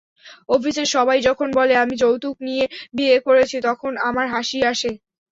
অফিসের সবাই যখন বলে আমি যৌতুক নিয়ে বিয়ে করেছি তখন আমার হাসি আসে।